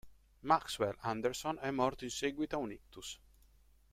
Maxwell Anderson è morto in seguito a un ictus.